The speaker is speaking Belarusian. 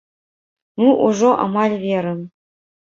Мы ўжо амаль верым.